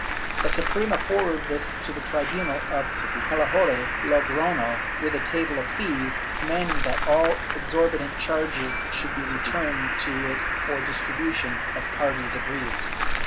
The Suprema forwarded this to the tribunal of Calahorra (Logrofio), with a table of fees, commanding that all exorbitant charges should be returned to it for distribution to the parties aggrieved.